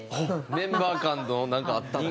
メンバー間のなんかあったの？